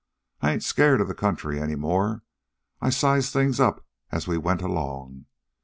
I ain't scared of the country any more. I sized things up as we went along.